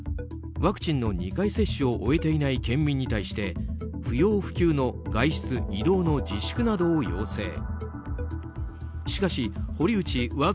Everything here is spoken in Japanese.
ワクチンの２回接種を終えていない県民に対して不要不急の外出・移動の自粛などを要請。